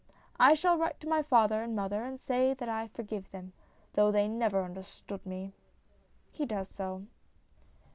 I shall write to my father and mother and say that I forgive them, though they never understood me. [He does so.